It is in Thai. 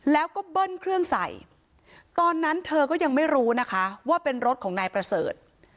แล้วก็เบิ้ลเครื่องใส่ตอนนั้นเธอก็ยังไม่รู้นะคะว่าเป็นรถของนายประเสริฐ